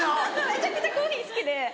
めちゃくちゃコーヒー好きで。